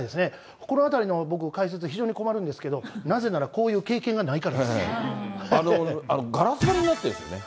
このあたりの解説、僕非常に困るんですけどなぜなら、こういう経ガラス張りになってるんですよね。